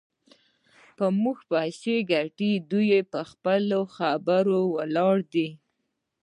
په موږ پسې یې کتل، دوی پر خپله خبره ولاړې دي.